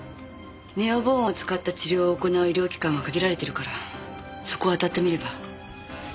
ネオボーンを使った治療を行う医療機関は限られてるからそこをあたってみれば？